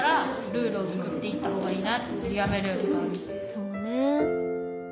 そうねぇ。